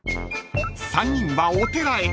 ［３人はお寺へ］